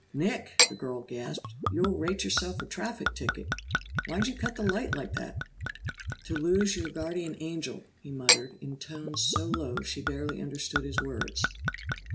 "Nick!" the girl gasped. "You'll rate yourself a traffic ticket! Why'd you cut the light like that?" "To lose your guardian angel," he muttered in tones so low she barely understood his words.